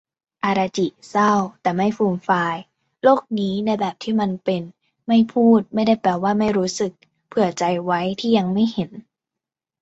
อาดาจิ เศร้า แต่ไม่ฟูมฟาย โลกนี้ในแบบที่มันเป็น ไม่พูดไม่ได้แปลว่าไม่รู้สึก เผื่อใจไว้ที่ยังไม่เห็น